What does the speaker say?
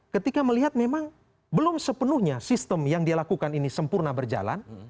ketika melihat memang belum sepenuhnya sistem yang dia lakukan ini sempurna berjalan